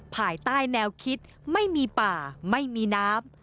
ภายใต้แนวคิดไม่มีป่าไม่มีน้ำ